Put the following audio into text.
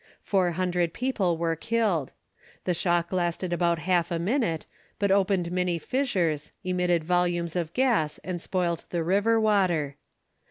Four hundred people were killed. The shock lasted about half a minute, but opened many fissures, emitted volumes of gas and spoilt the river water.